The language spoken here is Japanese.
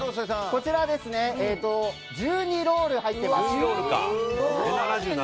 こちら、１２ロール入ってます。